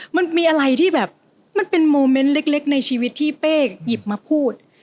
มันมีอะไรที่แบบมันเป็นโมเมนต์เล็กในชีวิตที่เป้หยิบมาพูด